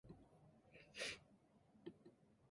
Romilly was born in in Trinidad and Tobago.